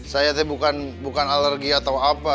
saya itu bukan alergi atau apa